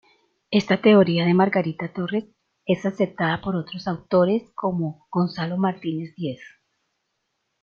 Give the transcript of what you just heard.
Esta teoría de Margarita Torres es aceptada por otros autores como Gonzalo Martínez Díez.